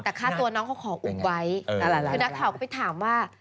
แต่ค่าตัวน้องเขาขออุบไว้คือนักข่าวเขาไปถามว่าเป็นยังไง